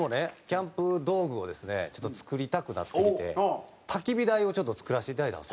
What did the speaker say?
キャンプ道具をですねちょっと作りたくなってきて焚き火台をちょっと作らせて頂いたんですよ。